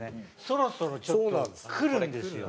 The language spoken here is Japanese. そろそろちょっとくるんですよ。